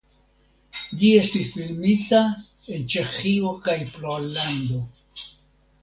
Ĝi estis filmita en Ĉeĥio kaj Pollando.